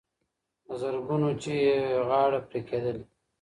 د زرګونو چي یې غاړي پرې کېدلې